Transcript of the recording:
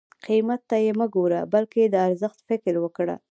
قیمت ته یې مه ګوره بلکې د ارزښت فکر وکړه.